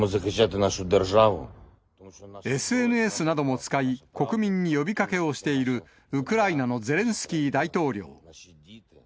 ＳＮＳなども使い、国民に呼びかけをしているウクライナのゼレンスキー大統領。